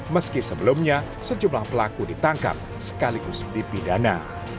meski sebelumnya sejumlah pelaku ditangkap sekaligus dipidana